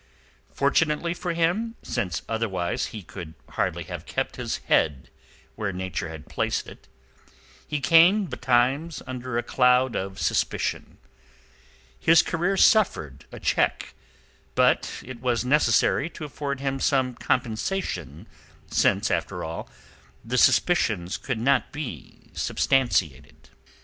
Fortunately for him—since head where nature had placed it—he came betimes under a cloud of suspicion. His career suffered a check; but it was necessary to afford him some compensation since, after all, the suspicions could not be substantiated.